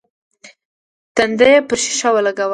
تندی يې پر ښيښه ولګاوه.